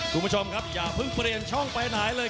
คุณผู้ชมครับอย่าเพิ่งเปลี่ยนช่องไปไหนเลย